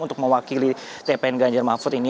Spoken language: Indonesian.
untuk mewakili tpn ganjar mahfud ini